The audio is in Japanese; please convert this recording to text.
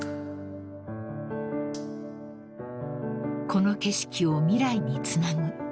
［この景色を未来につなぐ］